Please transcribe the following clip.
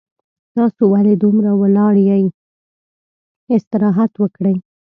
تاسو ولې دومره ولاړ یي استراحت وکړئ